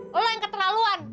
eh lo yang keterlaluan